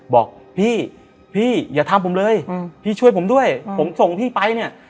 บอกพี่พี่อย่าทำผมเลยพี่ช่วยผมด้วยผมส่งพี่ไปเนี่ย